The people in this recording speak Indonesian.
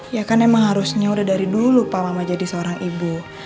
ya kan emang harusnya udah dari dulu pak mama jadi seorang ibu